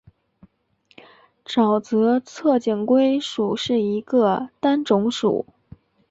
沼泽侧颈龟属是一个单种属。